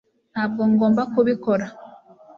ntabwo ngomba kubikora